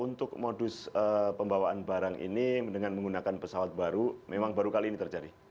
untuk modus pembawaan barang ini dengan menggunakan pesawat baru memang baru kali ini terjadi